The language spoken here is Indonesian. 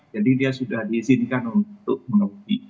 jadi dia sudah diizinkan untuk mengembudi